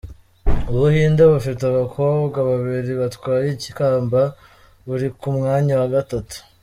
U Buhinde bufite abakobwa babiri batwaye ikamba buri ku mwanya wa Gatatu.